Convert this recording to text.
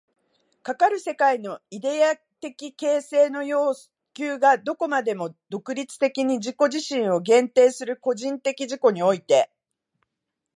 かかる世界のイデヤ的形成の要求がどこまでも独立的に自己自身を限定する個人的自己において、